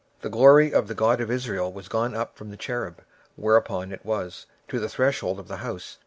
26:009:003 And the glory of the God of Israel was gone up from the cherub, whereupon he was, to the threshold of the house.